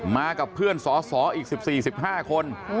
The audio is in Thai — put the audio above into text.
มากับเพื่อนสอสออีก๑๔๑๕คน